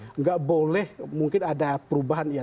tidak boleh mungkin ada perubahan ya